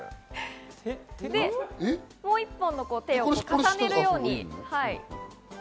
もう１本の手を重ねるように。